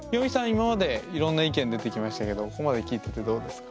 今までいろんな意見出てきましたけどここまで聞いててどうですか？